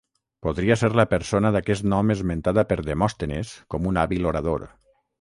Podria ser la persona d'aquest nom esmentada per Demòstenes com un hàbil orador.